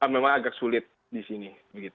memang agak sulit di sini